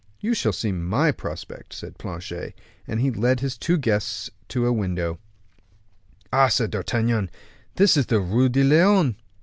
"You shall see my prospect," said Planchet; and he led his two guests to a window. "Ah!" said D'Artagnan, "this is the Rue de Lyon."